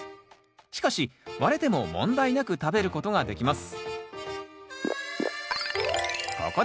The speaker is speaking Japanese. しかし割れても問題なく食べることができます。